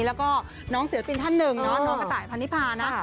แล้วก็น้องศิลปินท่านหนึ่งเนาะน้องกระต่ายพันนิพานะ